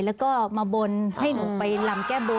แล้วก็มาบนให้หนูไปลำแก้บน